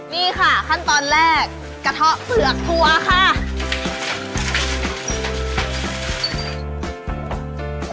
นี่ค่ะขั้นตอนแรกกระเทาะเปลือกถั่วค่ะ